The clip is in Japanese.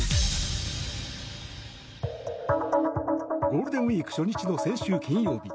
ゴールデンウィーク初日の先週金曜日